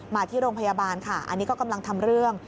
มาที่โรงพยาบาลค่ะอันนี้ก็กำลังทำเรื่อง